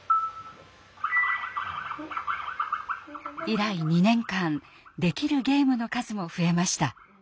以来２年間できるゲームの数も増えました。